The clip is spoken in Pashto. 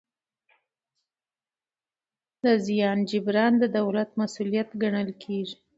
د زیان جبران د دولت مسوولیت ګڼل کېږي.